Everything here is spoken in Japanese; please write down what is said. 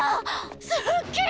すっげー！